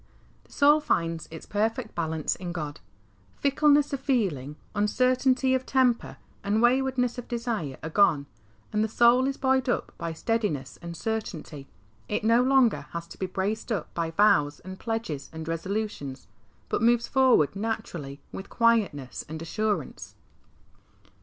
The soul finds its perfect balance in God. Fickleness of feeling, uncertainty of temper, and waywardness of desire are gone, and the soul is buoyed up by steadiness and certainty. It no longer has to be braced up by vows and pledges and resolutions, but moves forward naturally, with quietness and assurance.